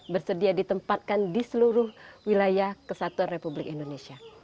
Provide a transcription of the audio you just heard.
bersedia ditempatkan di seluruh wilayah kesatuan republik indonesia